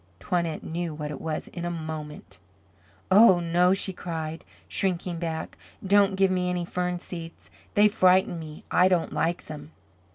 Toinette knew what it was in a moment. "Oh, no," she cried shrinking back. "Don't give me any fern seeds. They frighten me. I don't like them."